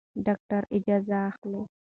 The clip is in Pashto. ډاکټر اجازه اخلي.